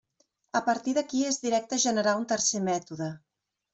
A partir d'aquí és directe generar un tercer mètode.